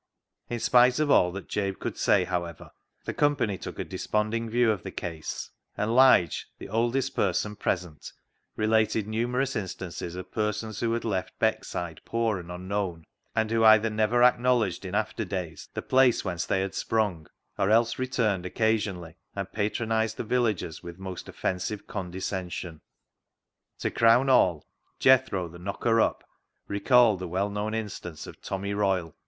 In spite of all that Jabe could say, however, the company took a desponding view of the case, and Lige, the oldest person present, re lated numerous instances of persons who had left Beckside poor and unknown, and who either never acknowledged in after days the place whence they had sprung, or else returned occasionally and patronised the villagers with most offensive condescension. To crown all, Jethro, the knocker up, recalled the well known instance of Tommy Royle, who.